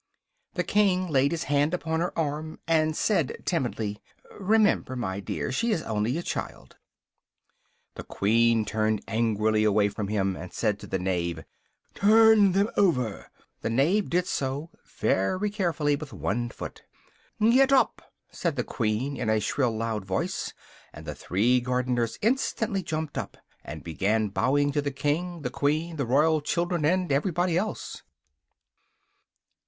The King laid his hand upon her arm, and said timidly "remember, my dear! She is only a child!" The Queen turned angrily away from him, and said to the Knave "turn them over!" The Knave did so, very carefully, with one foot. "Get up!" said the Queen, in a shrill loud voice, and the three gardeners instantly jumped up, and began bowing to the King, the Queen, the Royal children, and everybody else.